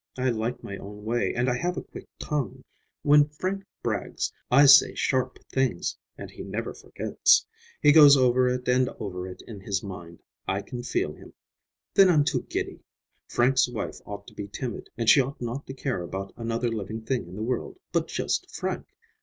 I like my own way, and I have a quick tongue. When Frank brags, I say sharp things, and he never forgets. He goes over and over it in his mind; I can feel him. Then I'm too giddy. Frank's wife ought to be timid, and she ought not to care about another living thing in the world but just Frank!